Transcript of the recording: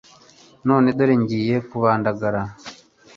None dore ngiye kubandagara